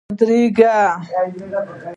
ودرېږه !